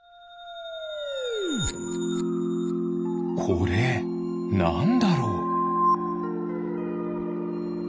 これなんだろう。